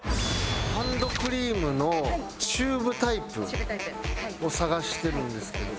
ハンドクリームのチューブタイプを探してるんですけど。